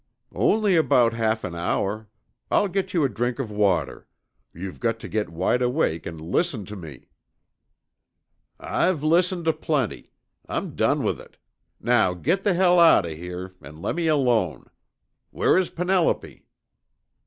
"Only about half an hour. I'll get you a drink of water. You've got to get wide awake and listen to me!" "I've listened aplenty. I'm done with it. Now get the hell out of here, an' lemme alone. Where is Penelope?"